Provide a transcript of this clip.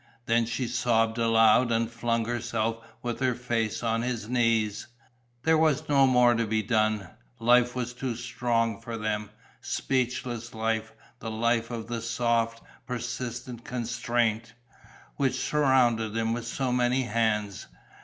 Then she sobbed aloud and flung herself with her face on his knees. There was no more to be done: life was too strong for them, speechless life, the life of the soft, persistent constraint, which surrounded them with so many hands.